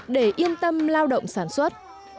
để yên tâm lao động sản xuất